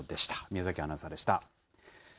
宮崎アナウンサーでした。